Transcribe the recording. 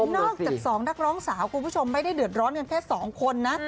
นอกจาก๒นักร้องสาวคุณผู้ชมไม่ได้เดือดร้อนกันแค่๒คนนะ